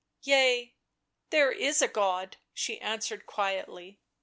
" Yea, there is a God," she answered quietly.